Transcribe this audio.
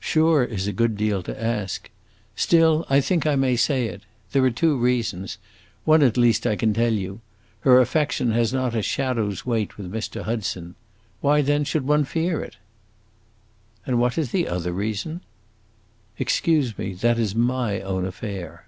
"Sure is a good deal to ask. Still, I think I may say it! There are two reasons; one, at least, I can tell you: her affection has not a shadow's weight with Mr. Hudson! Why then should one fear it?" "And what is the other reason?" "Excuse me; that is my own affair."